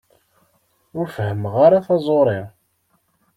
Ur fehmeɣ ara taẓuṛi.